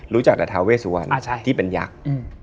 รู้จักแต่ทาเวสวันที่เป็นยักษ์